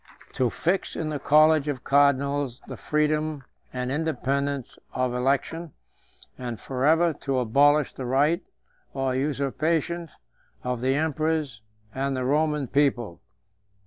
To fix in the college of cardinals the freedom and independence of election, and forever to abolish the right or usurpation of the emperors and the Roman people.